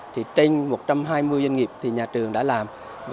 trên một trăm hai mươi doanh nghiệp nhà trường đã làm